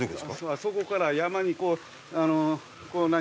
あそこから山にこうこう何？